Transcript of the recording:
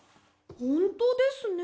ほんとですね。